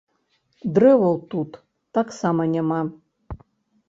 Дрэваў тут таксама няма.